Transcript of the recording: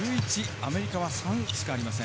アメリカ３しかありません。